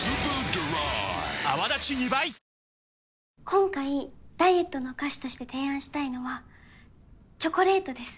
今回ダイエットのお菓子として提案したいのはチョコレートです